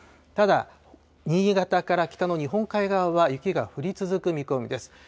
ただ、新潟から北の日本海側は、雪が降り続く見込みです。